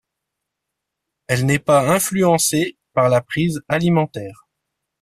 Elle n'est pas influencée par la prise alimentaire.